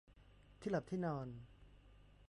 ที่หลับที่นอน